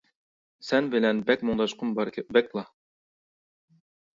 سەن بىلەن بەك مۇڭداشقۇم بار، بەكلا.